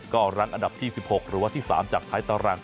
ก็รั้งอันดับที่๑๖หรือว่าที่๓จากท้ายตาราง